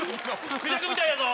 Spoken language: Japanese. クジャクみたいやぞ！